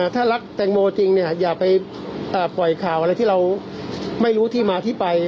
ถ้ารักแตงโมจริงเนี่ยอย่าไปปล่อยข่าวอะไรที่เราไม่รู้ที่มาที่ไป